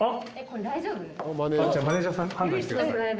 じゃあマネージャーさん判断してください。